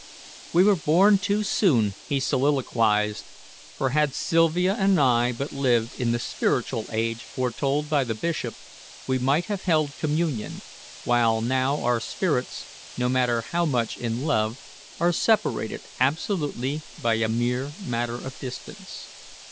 "We were born too soon," he soliloquized; "for had Sylvia and I but lived in the spiritual age foretold by the bishop, we might have held communion, while now our spirits, no matter how much in love, are separated absolutely by a mere matter of distance.